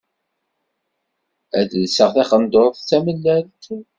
Ad lseɣ taqendurt d tamellalt.